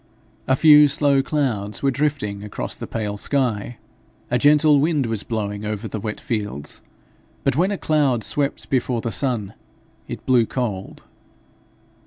A few slow clouds were drifting across the pale sky. A gentle wind was blowing over the wet fields, but when a cloud swept before the sun, it blew cold.